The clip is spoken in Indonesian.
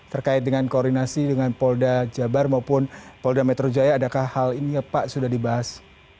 terkait dengan koordinasi dengan polda jabar maupun polda metro jaya adakah hal ini ya pak sudah dibahas